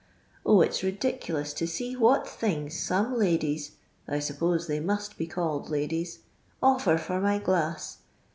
0, it *t ridiculous to see what things some ladies — I supposct they must be called ladiet— offi;r for my glass.